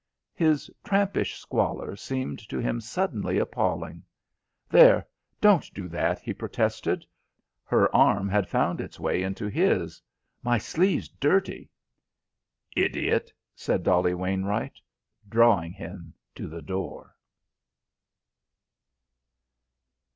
His trampish squalor seemed to him suddenly appalling. "There, don't do that," he protested her arm had found its way into his. "My sleeve's dirty." "Idiot!" said Dolly Wainwright, drawing him to the door.